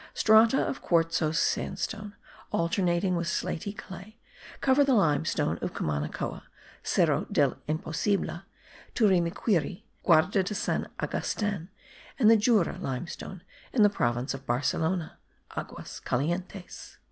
Strata of quartzose sandstone, alternating with slaty clay, cover the limestone of Cumanacoa, Cerro del Imposible, Turimiquiri, Guarda de San Agustin, and the Jura limestone in the province of Barcelona (Aguas Calientes).